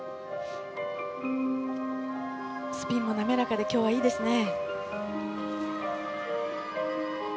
スピンも滑らかで今日はいいですね。